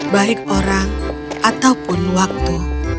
baik orang ataupun waktu